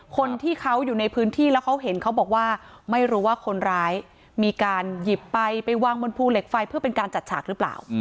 คนที่เขาอยู่ในพื้นที่แล้วเขาเห็นเขาบอกว่าไม่รู้ว่าคนร้ายมีการหยิบไปไปวางบนภูเหล็กไฟเพื่อเป็นการจัดฉากหรือเปล่า